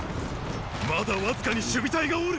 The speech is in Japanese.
まだわずかに守備隊がおる！